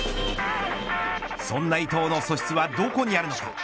そんな伊藤の素質はどこにあるのでしょう。